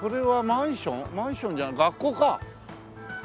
マンションじゃない学校か。